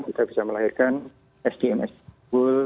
kita bisa melahirkan sdms yang unggul